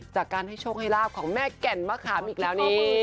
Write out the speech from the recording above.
จากการให้โชคให้ลาบของแม่แก่นมะขามอีกแล้วนี่